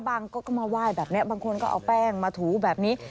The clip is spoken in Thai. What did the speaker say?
ก็มาไหว้แบบนี้บางคนก็เอาแป้งมาถูแบบนี้